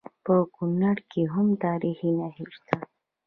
په کونړ کې هم تاریخي نښې شته